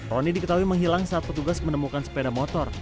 roni diketahui menghilang saat petugas menemukan sepeda motor